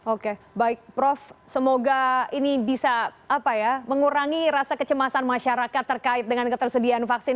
oke baik prof semoga ini bisa mengurangi rasa kecemasan masyarakat terkait dengan ketersediaan vaksin